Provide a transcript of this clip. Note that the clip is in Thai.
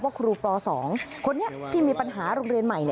ครองทราบว่าครูป๒คนนี้ที่มีปัญหาโรงเรียนใหม่